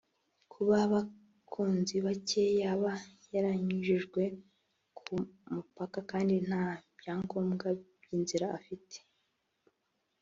Kuba Bakunzi bake yaba yaranyujijwe ku mupaka kandi nta byangombwa by’inzira afite